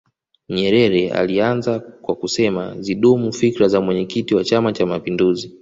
nyerere alianza kwa kusema zidumu fikra za mwenyekiti wa chama cha mapinduzi